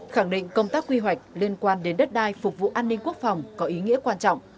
khẳng định công tác quy hoạch liên quan đến đất đai phục vụ an ninh quốc phòng có ý nghĩa quan trọng